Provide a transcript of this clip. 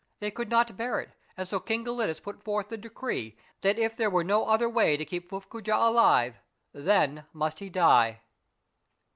They could not bear it, and so King Gelidus put forth the decree that if there were no other way to keep Fuffcoojah alive, then must he die.